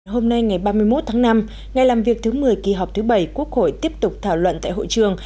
hôm nay ngày ba mươi một tháng năm ngày làm việc thứ một mươi kỳ họp thứ bảy quốc hội tiếp tục thảo luận tại hội trường